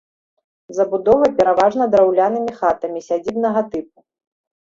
Забудова пераважна драўлянымі хатамі сядзібнага тыпу.